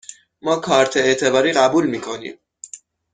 ما کارت اعتباری قبول می کنیم.